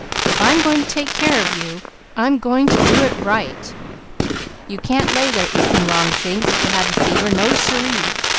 If I'm going to take care of you, I'm going to right. You can't lay here eating wrong things if you have fever. No sir ee!